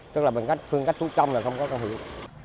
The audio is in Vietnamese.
tức là phương cách thuốc trong là không có công hiệu